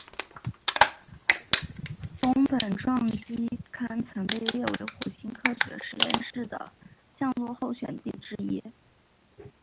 宫本撞击坑曾被列为火星科学实验室的降落候选地点之一。